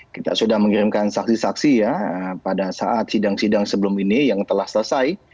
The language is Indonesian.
kita sudah mengirimkan saksi saksi ya pada saat sidang sidang sebelum ini yang telah selesai